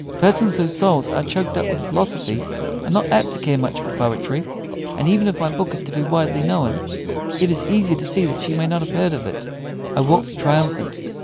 Persons whose souls are choked up with philosophy are not apt to care much for poetry; and even if my book is to be widely known, it is easy to see that she may not have heard of it." I walked triumphant.